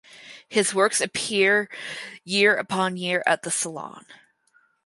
His works appear year upon year at the Salon.